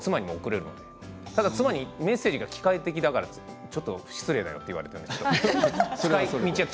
ただ妻にメッセージが機械的だからちょっと失礼だよと言われたんです。